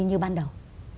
như ban đầu